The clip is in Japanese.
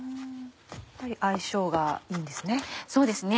やっぱり相性がいいんですね。